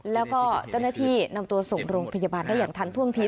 แล้วก็เจ้าหน้าที่นำตัวส่งโรงพยาบาลได้อย่างทันท่วงที